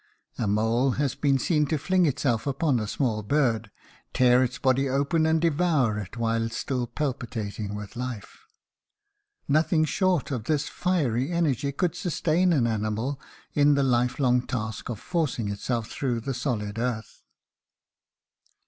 A mole has been seen to fling itself upon a small bird, tear its body open, and devour it while still palpitating with life. 'Nothing short of this fiery energy could sustain an animal in the life long task of forcing itself through the solid earth.'"